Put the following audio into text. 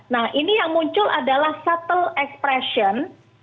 nah ini yang muncul adalah shuttle expression